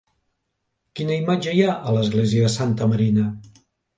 Quina imatge hi ha a l'església de Santa Marina?